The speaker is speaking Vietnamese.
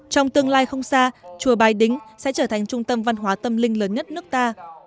trong tương lai không xa chùa bái đính sẽ trở thành trung tâm văn hóa tâm linh lớn nhất nước ta